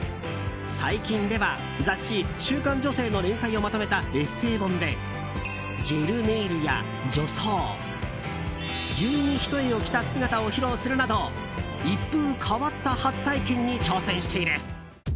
最近では雑誌「週刊女性」の連載をまとめたエッセー本でジェルネイルや女装十二単を着た姿を披露するなど一風変わった初体験に挑戦している。